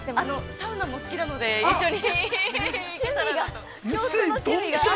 ◆サウナも好きなので一緒に。